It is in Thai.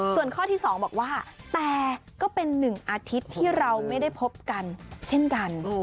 ส่วนข้อที่๒บอกว่าแต่ก็เป็น๑อาทิตย์ที่เราไม่ได้พบกันเช่นกัน